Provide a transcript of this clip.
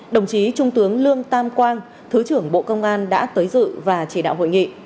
đồng chí trung tướng lương tam quang thứ trưởng bộ công an đã tới dự và chỉ đạo hội nghị